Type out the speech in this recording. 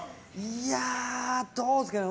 いや、どうですかね。